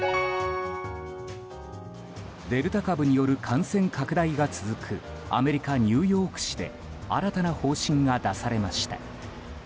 デルタ株による感染拡大が続くアメリカ・ニューヨーク市で新たな方針が出されました。